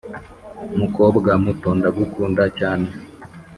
"mukobwa muto, ndagukunda cyane.